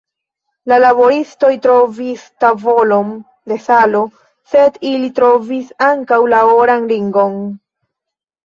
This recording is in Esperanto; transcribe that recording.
La laboristoj trovis tavolon de salo, sed ili trovis ankaŭ la oran ringon.